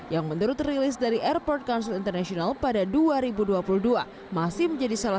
yang menurut rilis dari airport council international pada dua ribu dua puluh dua masih menjadi salah